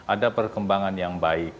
ada perkembangan yang baik